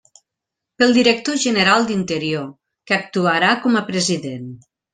Pel director general d'Interior, que actuarà com a president.